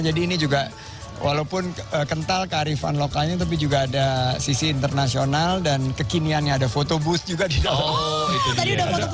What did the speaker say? ini juga walaupun kental kearifan lokalnya tapi juga ada sisi internasional dan kekiniannya ada foto bush juga di dalam